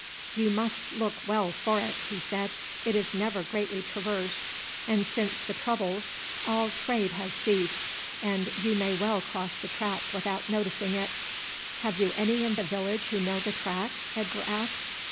"You must look well for it," he said; "it is never greatly traversed, and since the troubles all trade has ceased, and you may well cross the track without noticing it." "Have you any in the village who know the track?" Edgar asked.